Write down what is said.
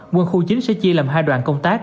quân khu chính sẽ chia làm hai đoạn công tác